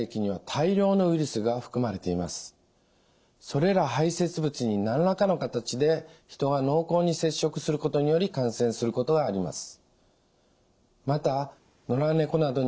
それら排せつ物に何らかの形で人が濃厚に接触することにより感染することがあります。